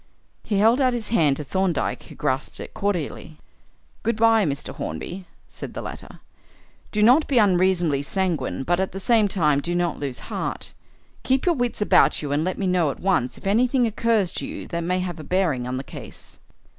He held out his hand to Thorndyke, who grasped it cordially. "Good bye, Mr. Hornby," said the latter. "Do not be unreasonably sanguine, but at the same time, do not lose heart. Keep your wits about you and let me know at once if anything occurs to you that may have a bearing on the case."